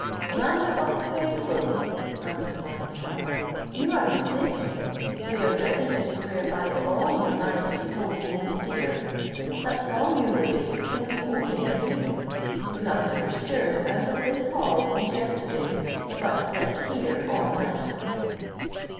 "Commander of the faithful," answered Morning Star, "you are mistaken, we are ready to swear by all your majesty holds most dear, that all you relate can be only a dream. You have never stirred out of this hall since yesterday, but slept here all night."